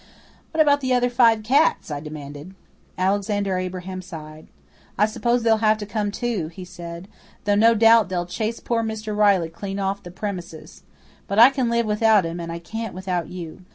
"What about the other five cats?" I demanded. Alexander Abraham sighed. "I suppose they'll have to come too," he sighed, "though no doubt they'll chase poor Mr. Riley clean off the premises. But I can live without him, and I can't without you.